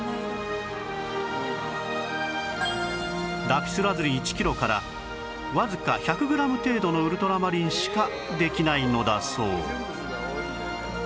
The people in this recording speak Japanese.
ラピスラズリ１キロからわずか１００グラム程度のウルトラマリンしかできないのだそう